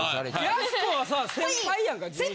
やす子はさ先輩やんか事務所の。